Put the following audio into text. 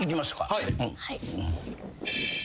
はい。